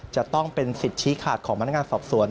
จะต้องเป็นสิทธิ์ชี้ขาดของพนักงานสอบสวน